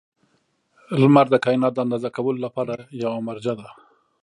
• لمر د کایناتو د اندازه کولو لپاره یوه مرجع ده.